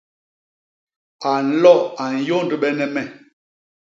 A nlo a nyôndbene me.